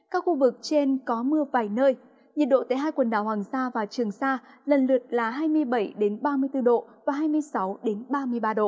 các khu vực trên có mưa vài nơi nhiệt độ tại hai quần đảo hoàng sa và trường sa lần lượt là hai mươi bảy ba mươi bốn độ và hai mươi sáu ba mươi ba độ